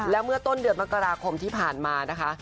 และเมื่อต้นเดือนมกราคมที่ผ่านมานะคะ